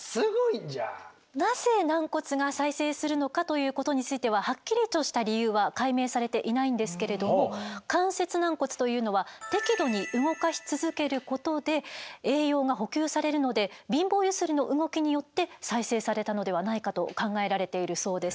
なぜ軟骨が再生するのかということについてははっきりとした理由は解明されていないんですけれども関節軟骨というのは適度に動かし続けることで栄養が補給されるので貧乏ゆすりの動きによって再生されたのではないかと考えられているそうです。